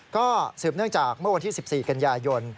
ก็สืบเนื่องจากเมื่อวันที่๑๔กันยายน